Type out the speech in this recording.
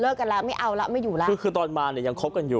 กันแล้วไม่เอาแล้วไม่อยู่แล้วคือคือตอนมาเนี่ยยังคบกันอยู่